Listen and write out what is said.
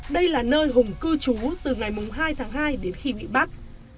đây là nơi hùng cư trú từ ngày hai tháng hai đến khi bị bắt